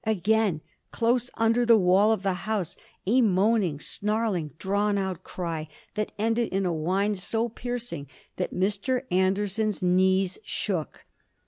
Again close under the wall of the house a moaning, snarling, drawn out cry that ended in a whine so piercing that Mr. Anderson's knees shook.